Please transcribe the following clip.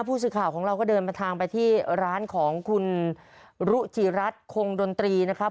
ผู้สื่อข่าวของเราก็เดินมาทางไปที่ร้านของคุณรุจิรัฐคงดนตรีนะครับ